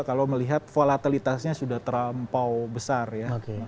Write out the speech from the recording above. kalau melihat volatilitasnya sudah terlampau besar ya